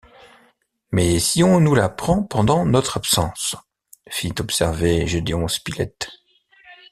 Mais si on nous la prend pendant notre absence? fit observer Gédéon Spilett.